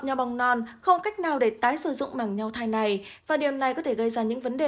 nhò bong non không có cách nào để tái sử dụng mảng nhò thai này và điều này có thể gây ra những vấn đề